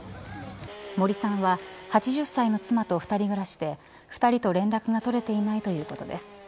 森さんは８０歳の妻と２人暮らしで２人と連絡が取れていないということです。